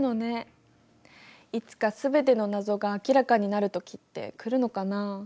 いつか全ての謎が明らかになるときってくるのかな。